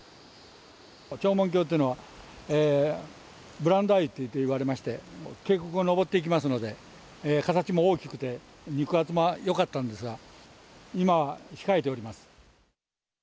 長門峡というのは、ブランドあゆっていわれまして、渓谷を上っていきますので、形も大きくて、肉厚もよかったんですが、今は控えております。